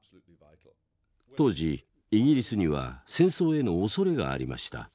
当時イギリスには戦争への恐れがありました。